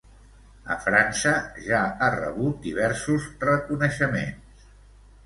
A França ja ha rebut diversos reconeixements.